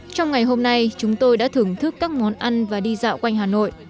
trong ngày hôm nay chúng tôi đã thưởng thức các món ăn và đi dạo quanh hà nội